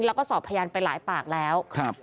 แล้วก็สอบพยานไปหลายปากแล้ว